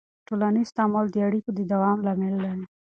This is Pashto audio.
ټولنیز تعامل د اړیکو د دوام لامل دی.